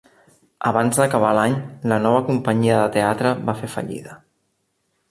Abans d'acabar l'any, la nova companyia de teatre va fer fallida.